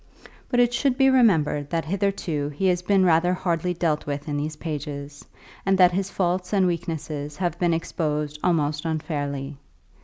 But it should be remembered that hitherto he has been rather hardly dealt with in these pages, and that his faults and weaknesses have been exposed almost unfairly.